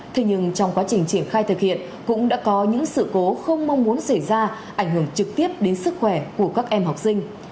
thế nhưng trong quá trình triển khai thực hiện cũng đã có những sự cố không mong muốn xảy ra ảnh hưởng trực tiếp đến sức khỏe của các em học sinh